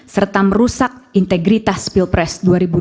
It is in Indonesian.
serta merusak integritas pilpres dua ribu dua puluh